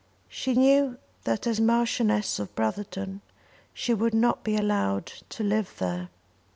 She knew that as Marchioness of Brotherton she would not be allowed to live there.